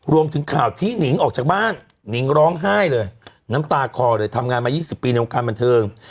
รวมถึงข่าวที่หนิงออกจากบ้านหนิงร้องไห้เลยน้ำตาคอเลยทำงานมา๒๐ปีในวงการบันเทิง